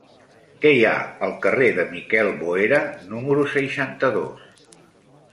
Què hi ha al carrer de Miquel Boera número seixanta-dos?